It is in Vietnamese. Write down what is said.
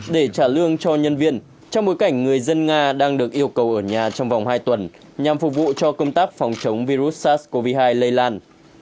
để trả lương cho nhân viên trong bối cảnh người dân nga đang được yêu cầu ở nhà trong vòng hai tuần nhằm phục vụ cho công tác phòng chống virus sars cov hai lây lan